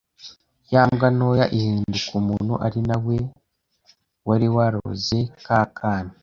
ya mbwa ntoya ihinduka umuntu ari na we wari waroze ka kana